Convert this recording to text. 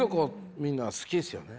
みんな好きですよね。